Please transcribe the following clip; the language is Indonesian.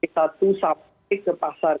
satu sampai ke pasar